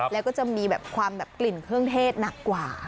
แล้วก็จะมีแบบความแบบกลิ่นเครื่องเทศหนักกว่า